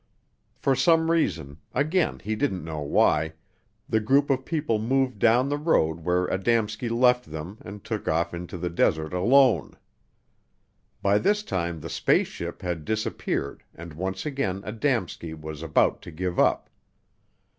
For some reason, again he didn't know why, the group of people moved down the road where Adamski left them and took off into the desert alone. By this time the "space ship" had disappeared and once again Adamski was about to give up.